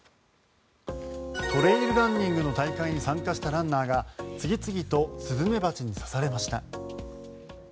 トレイルランニングの大会に参加したランナーが次々とスズメバチに刺されました。